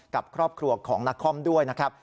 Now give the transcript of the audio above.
กับครอบครัวของนักคอมด้วยนะครับ